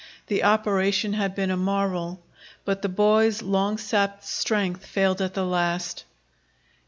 The operation had been a marvel, but the boy's long sapped strength failed at the last.